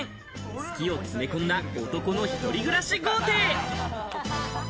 好きを詰め込んだ男の一人暮らし豪邸。